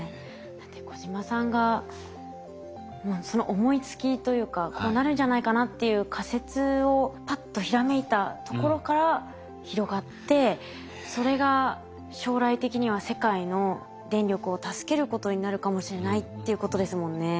だって小島さんがその思いつきというかこうなるんじゃないかなっていう仮説をパッとひらめいたところから広がってそれが将来的には世界の電力を助けることになるかもしれないっていうことですもんね。